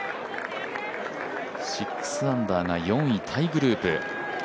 ６アンダーが４位タイグループ。